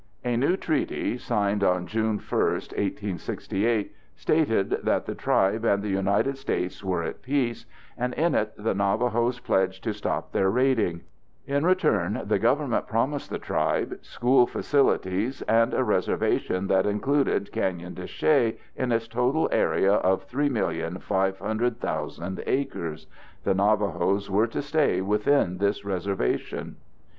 A new treaty signed on June 1, 1868, stated that the tribe and the United States were at peace, and in it the Navajos pledged to stop their raiding. In return, the Government promised the tribe school facilities and a reservation that included Canyon de Chelly in its total area of 3,500,000 acres. The Navajos were to stay within this reservation.